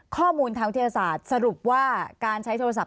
ครับครับ